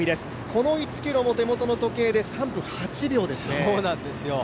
この１ｋｍも手元の時計で３分８秒ですね。